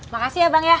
makasih ya bang